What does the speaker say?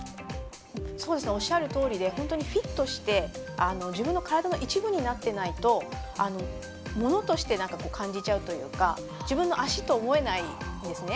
本当にフィットして自分の体の一部になってないと物として感じちゃうというか自分の足と思えないんですね。